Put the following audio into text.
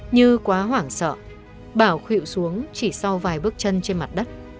như quá hoảng sợ bảo khệu xuống chỉ sau vài bước chân trên mặt đất